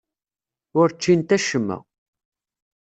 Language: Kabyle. Ur ččint acemma.